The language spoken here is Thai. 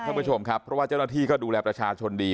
ท่านผู้ชมครับเพราะว่าเจ้าหน้าที่ก็ดูแลประชาชนดี